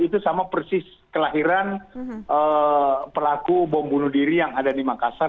itu sama persis kelahiran pelaku bom bunuh diri yang ada di makassar